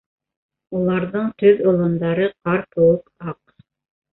Уларҙың төҙ олондары ҡар кеүек аҡ.